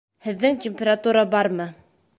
Һеҙҙең температура бармы?